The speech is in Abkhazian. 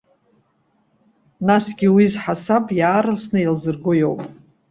Насгьы уи зҳасаб иаарласны иеилзырго иоуп.